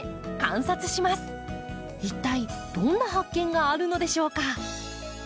一体どんな発見があるのでしょうか？